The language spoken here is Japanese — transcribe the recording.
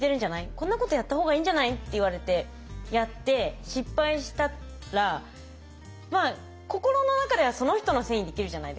こんなことやった方がいいんじゃない？」って言われてやって失敗したら心の中ではその人のせいにできるじゃないですか。